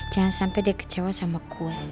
jangan sampe dia kecewa sama gue